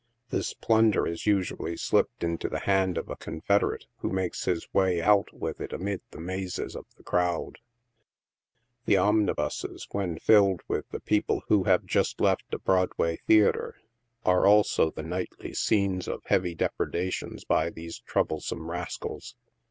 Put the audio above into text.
This plunder is usually slipped into the hand of a confederate, who makes his way out with it amid the mazes of the crowd. The omnibuses, when filled with the peo ple who have just left a Broadway theatre, are also the nightly scenes of heavy depredations by these troublesome rascals.